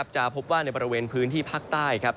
จะพบว่าในบริเวณพื้นที่ภาคใต้